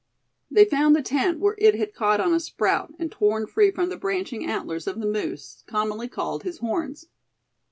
They found the tent where it had caught on a sprout, and torn free from the branching antlers of the moose, commonly called his horns.